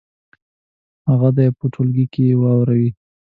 هغه دې په ټولګي کې واوروي.